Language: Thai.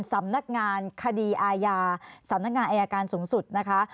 สำนักงานคดีอาญาสำนักงานอายการสูงสุดนะคะ